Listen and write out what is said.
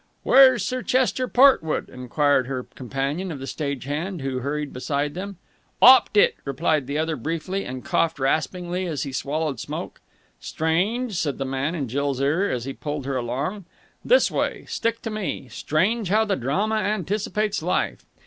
"Where's Sir Chester Portwood?" enquired her companion of the stage hand, who hurried beside them. "'Opped it!" replied the other briefly, and coughed raspingly as he swallowed smoke. "Strange," said the man in Jill's ear, as he pulled her along. "This way. Stick to me. Strange how the drama anticipates life!